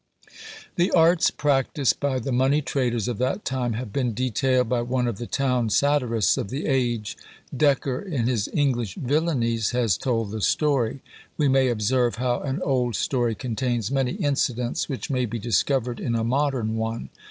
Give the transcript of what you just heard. The arts practised by the money traders of that time have been detailed by one of the town satirists of the age. Decker, in his "English Villanies," has told the story: we may observe how an old story contains many incidents which may be discovered in a modern one.